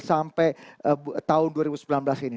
sampai tahun dua ribu sembilan belas ini